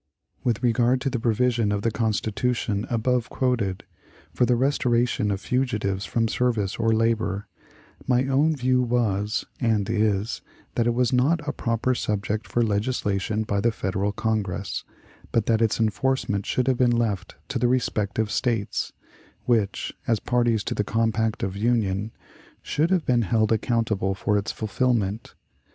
With regard to the provision of the Constitution above quoted, for the restoration of fugitives from service or labor, my own view was, and is, that it was not a proper subject for legislation by the Federal Congress, but that its enforcement should have been left to the respective States, which, as parties to the compact of union, should have been held accountable for its fulfillment.